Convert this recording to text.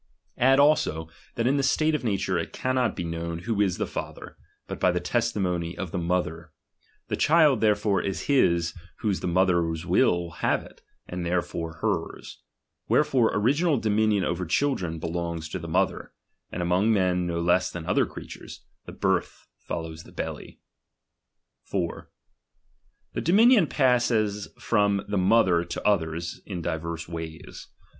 Add also, DOMINION. 117 that in the state of nature it cannot be known who is the father, but by the testimony of the mo ther ; the chikl therefore is his whose the mother will have it, and therefore her's. Wherefore origi nal dominion over children belongs to the mother : and among men no less than other creatures, the birth follows the belly. 4, The dominion passes from the mother to others, divers ways.